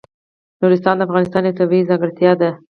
نورستان د افغانستان یوه طبیعي ځانګړتیا ده.